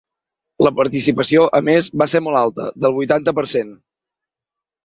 La participació, a més, va ser molt alta, del vuitanta per cent.